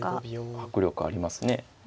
迫力ありますね。